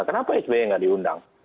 kenapa sby nggak diundang